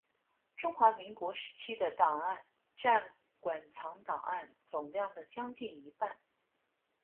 中华民国时期的档案占馆藏档案总量的将近一半。